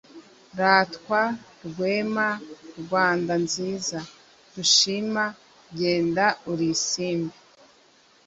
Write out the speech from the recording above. ratwa, rwema, rwanda nziza dushima genda uri isimbi,